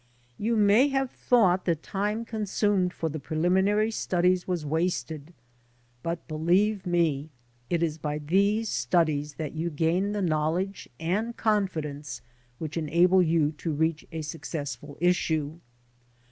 You may have thought the time consumed for the preliminary studies was wasted, but, believe me, it is by these studies that you gain the knowledge and confidence which enable you to reach a successful issue.